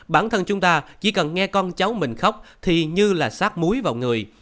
bản thân chúng ta chỉ cần nghe con cháu mình khóc thì như là sát muối vào người